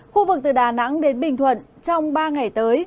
khu vực từ đà nẵng đến bình thuận trong ba ngày tới